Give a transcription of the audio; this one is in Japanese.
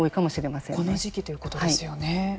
この時期ということですよね。